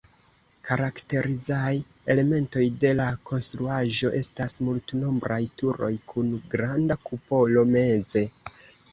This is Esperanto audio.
Karakterizaj elementoj de la konstruaĵo estas multnombraj turoj kun granda kupolo meze.